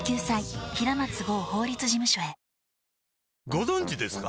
ご存知ですか？